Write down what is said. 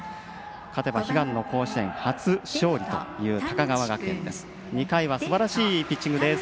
勝てば悲願の甲子園初勝利という高川学園です。